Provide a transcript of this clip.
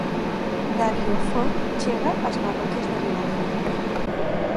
Dario Fo chega ás parroquias de Ribadeo.